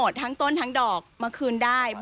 สวัสดีครับ